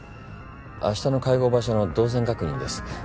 明日の会合場所の動線確認です。